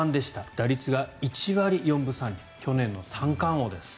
打率が１割４分３厘去年の三冠王です。